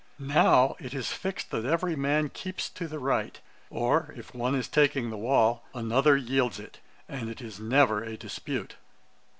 Now it is fixed that every man keeps to the right; or, if one is taking the wall, another yields it; and it is never a dispute.'